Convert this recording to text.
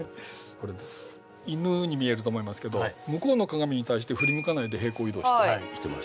これです犬に見えると思いますけど向こうの鏡に対して振り向かないで平行移動してはいしてます